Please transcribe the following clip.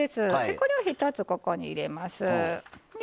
これを１つここに入れます。